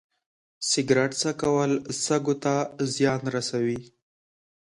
سګرټ څکول سږو ته زیان رسوي.